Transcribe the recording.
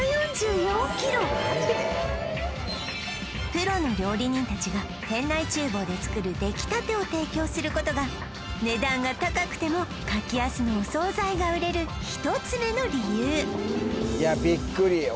プロの料理人たちが店内厨房で作る出来たてを提供することが値段が高くても柿安のお惣菜が売れる１つ目の理由いやビックリよ